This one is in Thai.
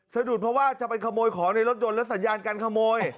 สะดุดเพราะว่าจะไปขโมยของในรถยนต์และสัญญาการขโมย